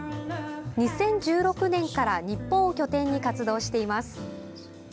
２０１６年から日本を拠点に活動しています。